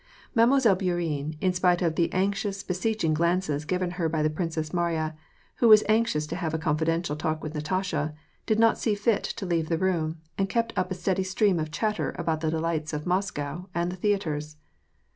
Mademoiselle Bourienne, in spite of the anxious, beseeching glances given her by the Princess Mariya, who was anxious to have a confidential talk with Natasha, did not see fit to leave the room, and kept up a steady stream of chatter about the de lights of Moscow, and the theatres.